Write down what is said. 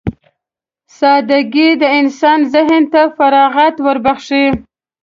سادهګي د انسان ذهن ته فراغت وربښي.